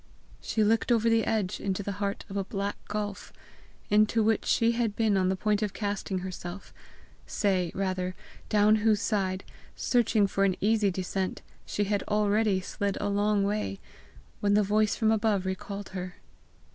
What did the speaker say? She looked over the edge into the heart of a black gulf, into which she had been on the point of casting herself say rather, down whose side, searching for an easy descent, she had already slid a long way, when the voice from above recalled her!